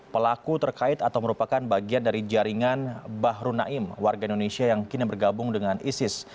pelaku terkait atau merupakan bagian dari jaringan bahru naim warga indonesia yang kini bergabung dengan isis